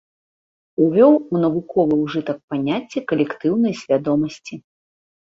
Увёў у навуковы ўжытак паняцце калектыўнай свядомасці.